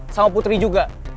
sama putri juga